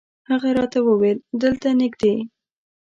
هغه راته وویل دلته نږدې.